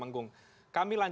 pak buka dikit bisa pak